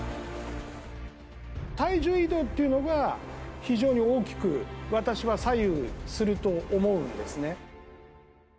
体重移動っていうのが非常に大きく、私は左右すると思うんですね。